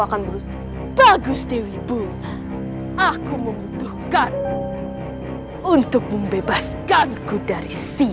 akan berusaha bagus prepak aku membutuhkan untuk membebaskanku dari sih